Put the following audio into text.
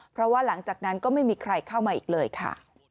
เพราะว่าหลังจากนั้นก็ไม่มีใครเข้ามาอีกเลยค่ะ